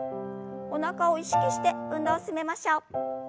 おなかを意識して運動を進めましょう。